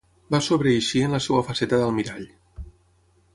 Va sobreeixir en la seua faceta d'almirall.